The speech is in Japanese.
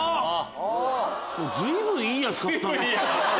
随分いいやつ買ったね！